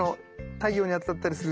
太陽に当たったりすると。